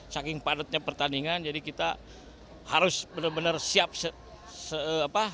saking padatnya pertandingan jadi kita harus benar benar siap